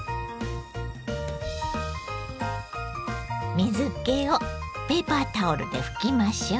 水けをペーパータオルで拭きましょう。